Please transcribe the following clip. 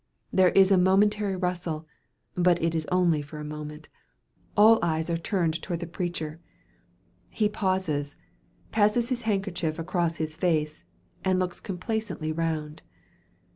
There is a momentary rustle, but it is only for a moment—all eyes are turned towards the preacher. He pauses, passes his handkerchief across his face, and looks complacently round.